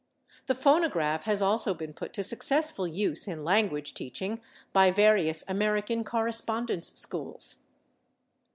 The phonograph has also been put to successful use in language teaching by various American correspondence schools.